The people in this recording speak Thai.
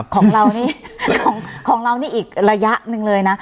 ของเรานี่อีกระยะหนึ่งเลยนะ